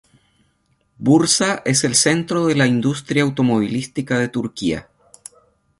Bursa es el centro de la industria automovilística de Turquía.